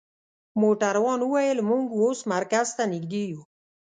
موټروان وویل: موږ اوس مرکز ته نژدې یو.